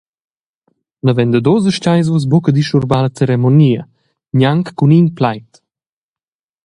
Naven dad uss astgeis vus buca disturbar la ceremonia, gnanc cun in plaid.